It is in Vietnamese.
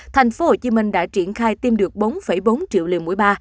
tp hcm đã triển khai tiêm được bốn bốn triệu liều mỗi ba